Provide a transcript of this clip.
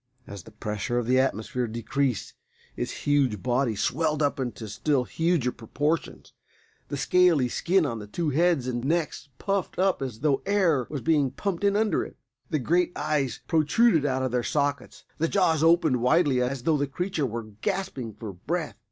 As the pressure of the atmosphere decreased its huge body swelled up into still huger proportions. The scaly skin on the two heads and necks puffed up as though air was being pumped in under it. The great eyes protruded out of their sockets; the jaws opened widely as though the creature were gasping for breath.